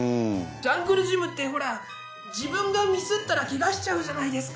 ジャングルジムってほら自分がミスったらけがしちゃうじゃないですか。